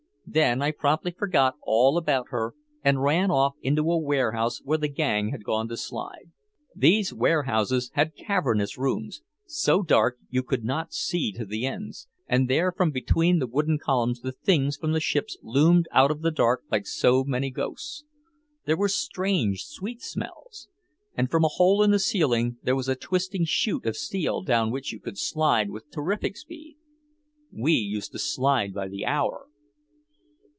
Then I promptly forgot all about her and ran off into a warehouse where the gang had gone to slide. These warehouses had cavernous rooms, so dark you could not see to the ends, and there from between the wooden columns the things from the ships loomed out of the dark like so many ghosts. There were strange sweet smells. And from a hole in the ceiling there was a twisting chute of steel down which you could slide with terrific speed. We used to slide by the hour.